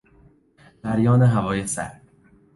جریان هوای سرد